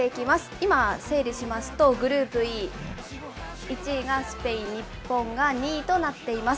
今、整理しますと、グループＥ、１位がスペイン、日本が２位となっています。